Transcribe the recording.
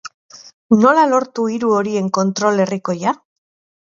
Nola lortu hiru horien kontrol herrikoia?